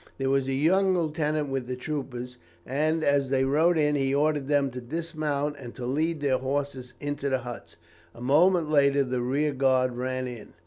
There was a young lieutenant with the troopers, and, as they rode in, he ordered them to dismount, and to lead their horses into the huts. A moment later the rear guard ran in.